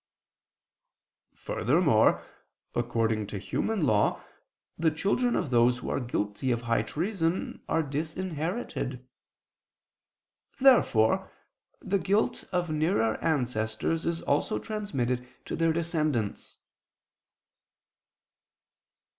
Furthermore, according to human law, the children of those who are guilty of high treason are disinherited. Therefore the guilt of nearer ancestors is also transmitted to their descendants.